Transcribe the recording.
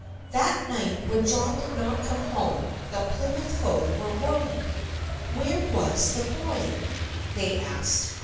That night when John did not come home, the Plymouth folk were worried. Where was the boy? they asked.